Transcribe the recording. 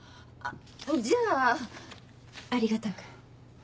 じゃあありがたく。